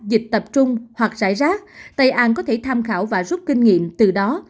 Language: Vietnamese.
dịch tập trung hoặc rải rác tây an có thể tham khảo và rút kinh nghiệm từ đó